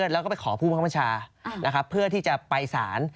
แล้วก็ไปขอผู้บังคับบัญชานะครับเพื่อที่จะไปสาร